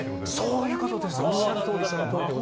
そういうことです。